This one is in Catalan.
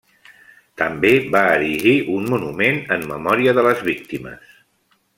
També va erigir un monument en memòria de les víctimes.